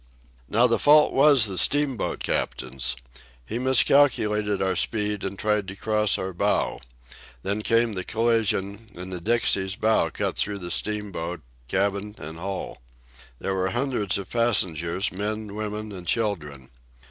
"Now the fault was the steamboat captain's. He miscalculated our speed and tried to cross our bow. Then came the collision, and the Dixie's bow cut through that steamboat, cabin and hull. There were hundreds of passengers, men, women, and children.